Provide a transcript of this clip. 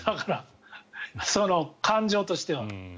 その感情としては。